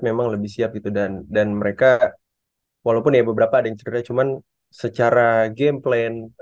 memang lebih siap gitu dan dan mereka walaupun ya beberapa ada yang cerita cuman secara game plan